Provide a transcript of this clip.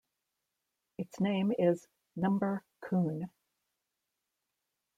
Its name is Number-kun.